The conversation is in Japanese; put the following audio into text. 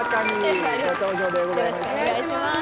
お願いします。